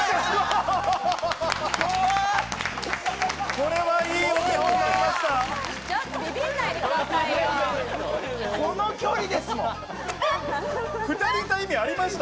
これは、いいお手本になりました。